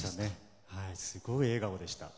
すごく笑顔でした。